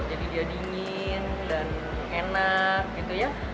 jadi dia dingin dan enak gitu ya